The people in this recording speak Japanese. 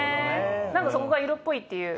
何かそこが色っぽいっていう？